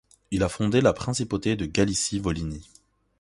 Il a fondé la Principauté de Galicie-Volhynie.